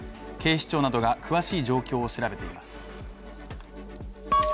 警視庁などが詳しい状況を調べています。